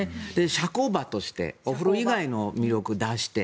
社交場としてお風呂以外の魅力を出して。